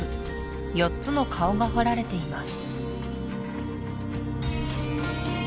４つの顔が彫られています